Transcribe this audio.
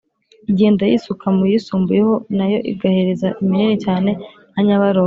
igenda yisuka mu yisumbuyeho na yo igahereza iminini cyane nka nyabarongo